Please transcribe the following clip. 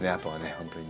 本当にね。